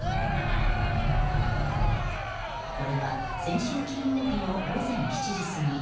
これは先週金曜日の午前７時過ぎ。